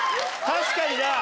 確かにな。